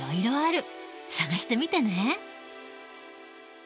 探してみてね。